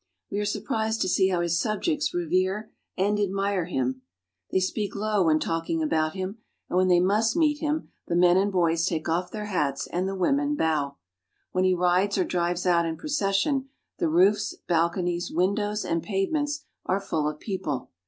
We are surprised to see how his subjects revere and admire him. They speak low when talking about him, and when they meet him the men and boys take off their hats and the women bow. When he rides or drives out in procession, the roofs, balconies, windows, and pavements are full of people.